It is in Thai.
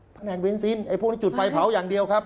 แผนกเวนซินไอ้พวกนี้จุดไฟเผาอย่างเดียวครับ